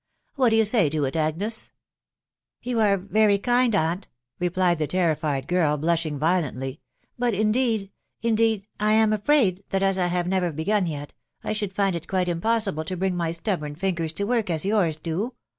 What d'ye say to it, Agnes ?"" You are very kind, aunt," replied the terrified girl, blushing violently, " but indeed, indeed, I am afraid, that as I have never begun yet, I should find it quite impossible to bring my stubborn fingers to work as yours do.